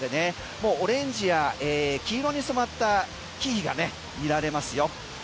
もうオレンジや黄色に染まった木々が見られますよ。